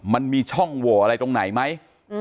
มันมีช่องโหวอะไรตรงไหนไหม